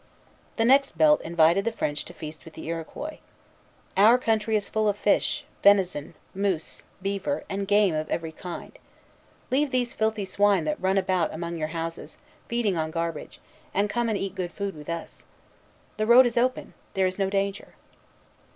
The next belt invited the French to feast with the Iroquois. "Our country is full of fish, venison, moose, beaver, and game of every kind. Leave these filthy swine that run about among your houses, feeding on garbage, and come and eat good food with us. The road is open; there is no danger."